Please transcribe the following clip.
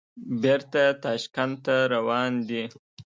بېرته تاشکند ته روان دي.